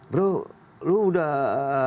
bro lu sudah